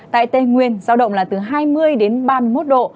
tại tây nguyên giao động là từ hai mươi đến ba mươi một độ